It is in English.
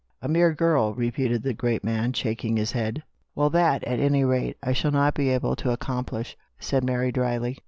A mere girl," repeated the great man, shaking his head. " Well, that, at any rate, I shall not be able to accomplish," said Mary dryly.